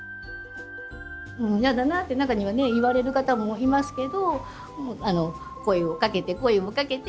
嫌だなって中には言われる方もいますけど声をかけて声をかけて。